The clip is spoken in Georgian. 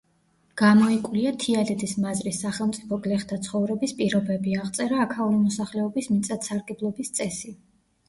გამოიკვლია, თიანეთის მაზრის სახელმწიფო გლეხთა ცხოვრების პირობები, აღწერა აქაური მოსახლეობის მიწათსარგებლობის წესი.